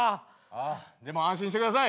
ああでも安心してください。